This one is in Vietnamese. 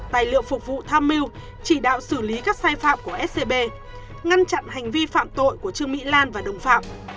tài liệu phục vụ tham mưu chỉ đạo xử lý các sai phạm của scb ngăn chặn hành vi phạm tội của trương mỹ lan và đồng phạm